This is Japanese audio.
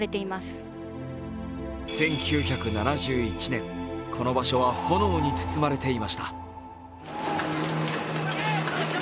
１９７１年、この場所は炎に包まれていました。